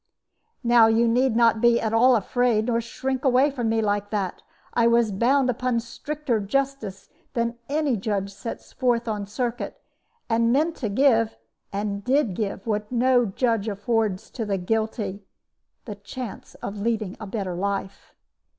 "Now you need not be at all afraid nor shrink away from me like that. I was bound upon stricter justice than any judge that sets forth on circuit; and I meant to give, and did give, what no judge affords to the guilty the chance of leading a better life.